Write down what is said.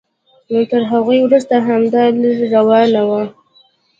تر هغوی وروسته همدا لړۍ روانه وه.